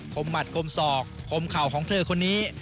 มหมัดกมศอกคมเข่าของเธอคนนี้